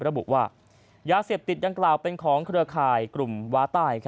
ระบุว่ายาเสพติดดังกล่าวเป็นของเครือข่ายกลุ่มว้าใต้